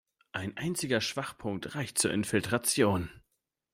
Ein einziger Schwachpunkt reicht zur Infiltration.